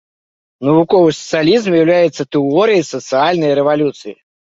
Навуковы сацыялізм з'яўляецца тэорыяй сацыяльнай рэвалюцыі.